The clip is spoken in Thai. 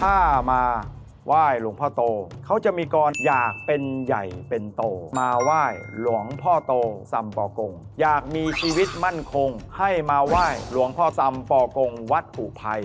ถ้ามาไหว้หลวงพ่อโตเขาจะมีกรอยากเป็นใหญ่เป็นโตมาไหว้หลวงพ่อโตสัมป่อกงอยากมีชีวิตมั่นคงให้มาไหว้หลวงพ่อสำป่อกงวัดอุภัย